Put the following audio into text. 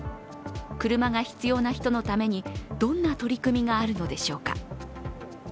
車が必要な人のために、どんな取り組みがあるのでしょうか。